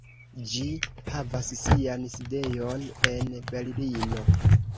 Ĝi havas sian sidejon en Berlino.